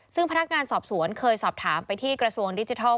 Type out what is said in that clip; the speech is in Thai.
ซึ่งพนักงานสอบสวนเคยสอบถามไปที่กระทรวงดิจิทัล